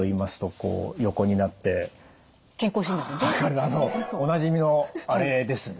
あのおなじみのあれですね？